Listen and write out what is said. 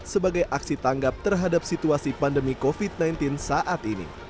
sebagai aksi tanggap terhadap situasi pandemi covid sembilan belas saat ini